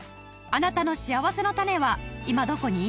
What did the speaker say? あなたのしあわせのたねは今どこに？